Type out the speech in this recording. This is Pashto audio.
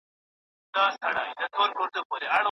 بیا دي پغمان دی واورو نیولی